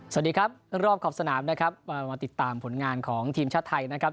สวัสดีครับรอบขอบสนามนะครับมาติดตามผลงานของทีมชาติไทยนะครับ